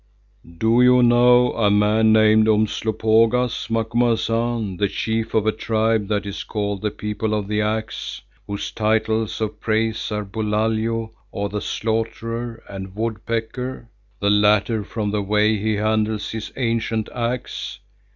"Do you know a man named Umslopogaas, Macumazahn, the chief of a tribe that is called The People of the Axe, whose titles of praise are Bulalio or the Slaughterer, and Woodpecker, the latter from the way he handles his ancient axe?